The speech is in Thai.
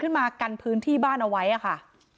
ขึ้นมากัลฟื้นที่บ้านเอาไว้อะค่ะ